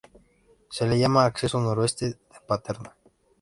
Se le llama Acceso noroeste de Paterna.